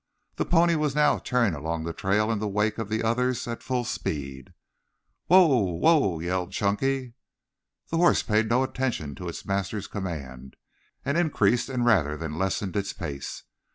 The pony now was tearing along the trail in the wake of the others at full speed. "Whoa! Whoa!" yelled Chunky. The horse paid no attention to its master's command, and increased rather than lessened its pace.